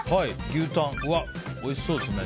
牛タン、おいしそうですね。